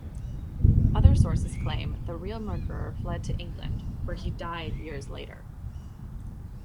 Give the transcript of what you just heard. Other sources claim the real murderer fled to England where he died years later.